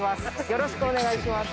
よろしくお願いします